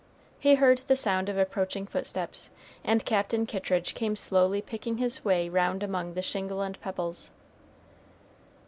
He heard the sound of approaching footsteps, and Captain Kittridge came slowly picking his way round among the shingle and pebbles.